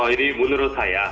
ini menurut saya